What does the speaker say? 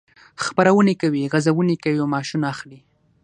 خپرونې کوي، غزونې کوي او معاشونه اخلي.